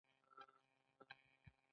ښځې په دې کې مرسته کوي.